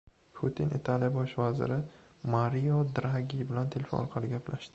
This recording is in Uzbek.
Putin Italiya Bosh vaziri Mario Dragi bilan telefon orqali gaplashdi